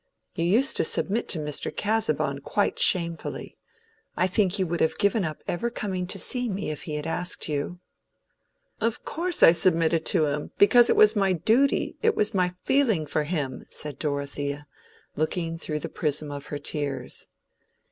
You used to submit to Mr. Casaubon quite shamefully: I think you would have given up ever coming to see me if he had asked you." "Of course I submitted to him, because it was my duty; it was my feeling for him," said Dorothea, looking through the prism of her tears.